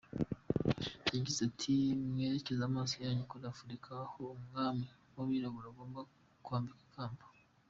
Yagize ati “Mwerekeze amaso yanyu muri Afrika aho umwami w’umwirabura agomba kwambikwa ikamba”.